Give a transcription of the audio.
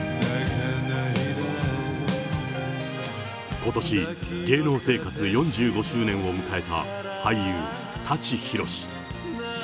ことし、芸能生活４５周年を迎えた、俳優、舘ひろし。